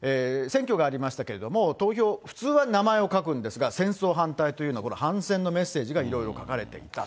選挙がありましたけれども、投票、普通は名前を書くんですが、戦争反対という、これ、反戦のメッセージがいろいろ書かれていた。